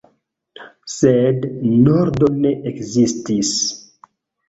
Sed nordo ne ekzistis.